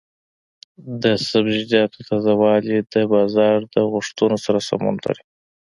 د سبزیجاتو تازه والي د بازار د غوښتنو سره سمون لري.